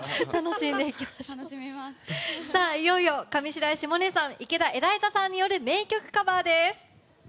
いよいよ上白石萌音さん池田エライザさんによる名曲カバーです。